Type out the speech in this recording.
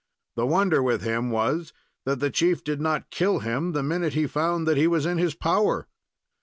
The wonder with him was, that the chief did not kill him the minute he found that he was in his power.